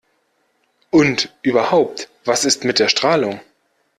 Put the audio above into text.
Und überhaupt: Was ist mit der Strahlung?